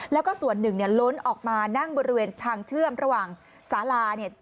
แล้วก็ส่วนหนึ่งเนี่ยล้นออกมานั่งบริเวณทางเชื่อมระหว่างสาลาเนี่ย